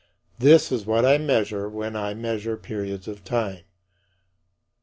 This is what I measure when I measure periods of time.